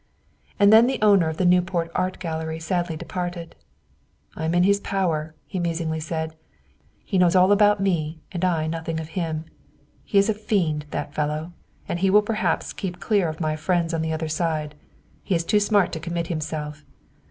And then the owner of the Newport Art Gallery sadly departed. "I am in his power," he musingly said. "He knows all about me; and I nothing of him. He is a fiend, that fellow; and he will perhaps keep clear of my friends on the other side. He is too smart to commit himself."